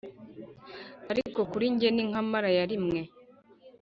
ariko kuri njye ni nka mara ya rimwe